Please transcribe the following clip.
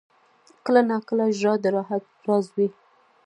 • کله ناکله ژړا د راحت راز وي.